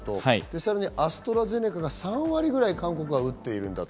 さらにアストラゼネカが３割ぐらい韓国は打っていると。